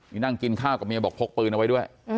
นี่นั่งกินข้าวกับเมียบอกพกปืนเอาไว้ด้วย